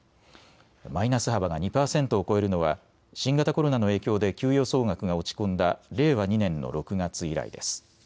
マイナス幅が２％を超えるのは新型コロナの影響で給与総額が落ち込んだ令和２年の６月以来です。